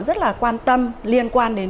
rất là quan tâm liên quan đến